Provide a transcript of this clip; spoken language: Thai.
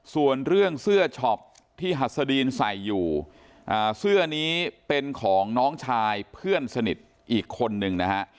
ส่วนเรื่องเสื้อช็อปที่หัสดีนใส่อยู่เสื้อนี้เป็นของน้องชายเพื่อนสนิทอีกคนนึงนะฮะ